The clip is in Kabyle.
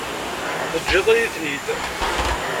Teǧǧiḍ-iyi-ten-id.